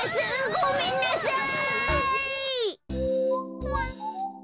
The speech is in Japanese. ごめんなさい！